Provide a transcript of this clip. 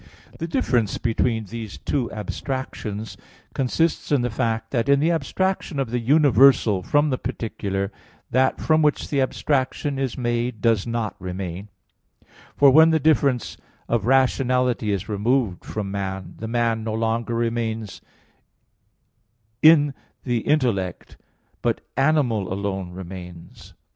The difference between these two abstractions consists in the fact that in the abstraction of the universal from the particular, that from which the abstraction is made does not remain; for when the difference of rationality is removed from man, the man no longer remains in the intellect, but animal alone remains.